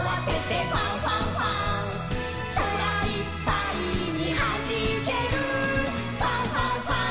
「そらいっぱいにはじける」「ファンファンファン！